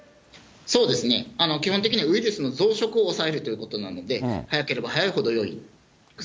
そうですね、基本的にはウイルスの増殖を抑えるということなんで、早ければ早いほどよい薬です。